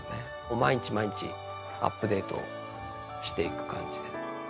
毎日毎日アップデートしていく感じです。